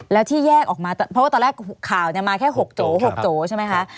แล้วที่แยกออกมาเพราะว่าตอนแรกข่าวมาแค่๖โจ